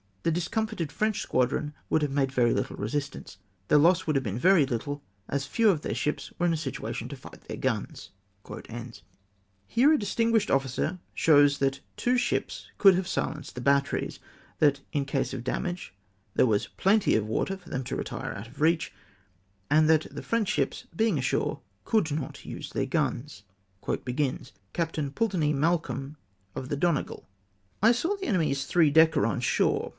The discomfited French squadron would have made very little resistance. The loss would have been very little, as few of their ships were in a situation to fight their guns." Here a distinguished officer shows that two ships could have silenced the batteries ; that, in case of damage, there was plenty of water for them to retire to out of reach ; and that the French ships, being ashore, could not use their guns. Captain Pulteney Malcolm (of the Donegal). — "I saw the enemy's three decker on shore.